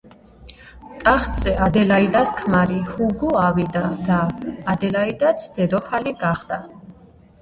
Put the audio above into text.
ტახტზე ადელაიდას ქმარი ჰუგო ავიდა და ადელაიდაც დედოფალი გახდა.